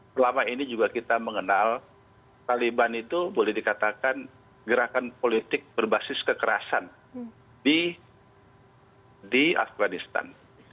selama ini juga kita mengenal taliban itu boleh dikatakan gerakan politik berbasis kekerasan di afganistan